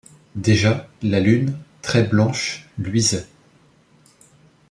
Déjà, la lune, très blanche, luisait.